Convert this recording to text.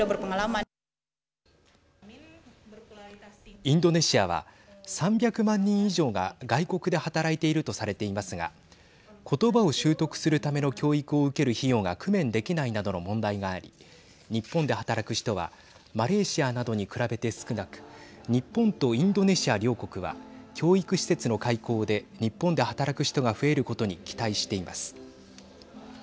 インドネシアは３００万人以上が外国で働いているとされていますが言葉を習得するための教育を受ける費用が工面できないなどの問題があり日本で働く人はマレーシアなどに比べて少なく日本とインドネシア両国は教育施設の開校で日本で働く人が増えることに期待しています。